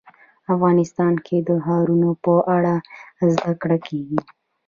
افغانستان کې د ښارونه په اړه زده کړه کېږي.